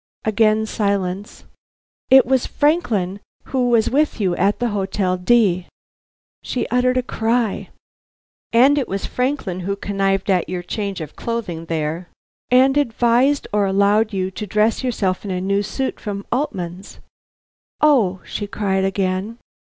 Again silence. "It was Franklin who was with you at the Hotel D ?" She uttered a cry. "And it was Franklin who connived at your change of clothing there, and advised or allowed you to dress yourself in a new suit from Altman's?" "Oh!" she cried again.